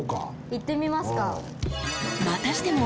行ってみますか。